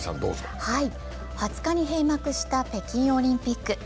２０日に閉幕した北京オリンピック。